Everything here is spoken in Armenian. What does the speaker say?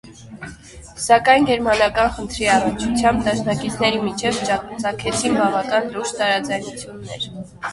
Սակայն գերմանական խնդրի առնչությամբ դաշնակիցների միջև ծագեցին բավական լուրջ տարաձայնություններ։